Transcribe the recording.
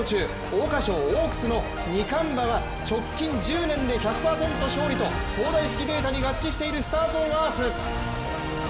桜花賞・オークスの二冠馬は直近１０年で１００％勝利と東大式データに合致しているスターズオンアース。